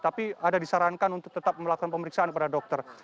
tapi ada disarankan untuk tetap melakukan pemeriksaan kepada dokter